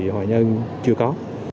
hòa nhân chưa có